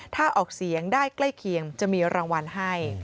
ถ้าออกเสียงได้ใกล้เคียงจะมีรางวัลให้